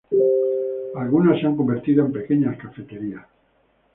Algunas se han convertido en pequeñas cafeterías.